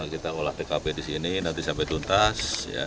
kita olah tkp di sini nanti sampai tuntas